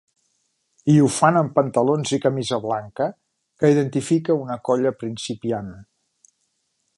I ho fan amb pantalons i camisa blanca, que identifica una colla principiant.